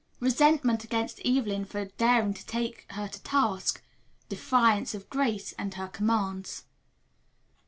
Resentment against Evelyn for daring to take her to task; defiance of Grace and her commands.